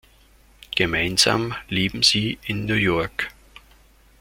Gemeinsam leben sie in New York.